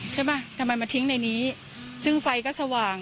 ใช่ป่ะทำไมมาทิ้งในนี้ซึ่งไฟก็สว่าง